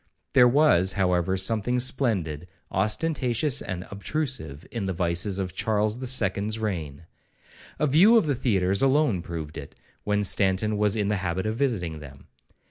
There was, however, something splendid, ostentatious, and obtrusive, in the vices of Charles the Second's reign.—A view of the theatres alone proved it, when Stanton was in the habit of visiting them.